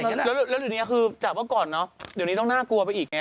แล้วเดี๋ยวนี้คือจากเมื่อก่อนเนอะเดี๋ยวนี้ต้องน่ากลัวไปอีกไง